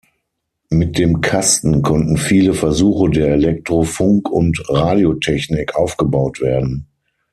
Mit dem Kasten konnten viele Versuche der Elektro-, Funk- und Radiotechnik aufgebaut werden.